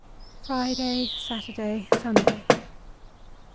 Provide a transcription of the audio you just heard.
"Friday, Saturday, Sunday.